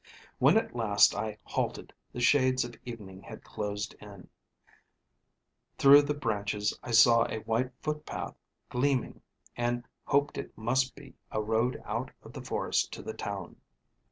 "When at last I halted, the shades of evening had closed in. Through the branches I saw a white footpath gleaming and hoped it must be a road out of the forest to the town.